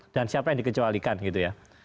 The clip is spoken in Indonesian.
dan siapa yang dikecualikan gitu ya